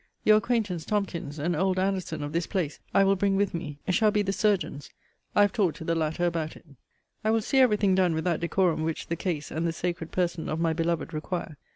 Your acquaintance, Tomkins, and old Anderson of this place, I will bring with me, shall be the surgeons. I have talked to the latter about it. I will see every thing done with that decorum which the case, and the sacred person of my beloved require.